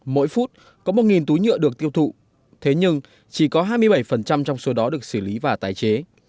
mỗi phút có một túi nhựa được tiêu thụ thế nhưng chỉ có hai mươi bảy trong số đó được xử lý và tái chế